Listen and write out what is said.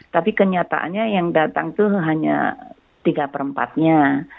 tapi kenyataannya yang datang itu hanya tiga per empatnya